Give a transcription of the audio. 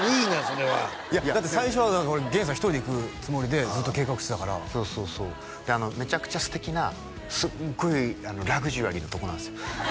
それはいやだって最初は源さん１人で行くつもりでずっと計画してたからそうそうそうでめちゃくちゃ素敵なすっごいラグジュアリーなとこなんすよ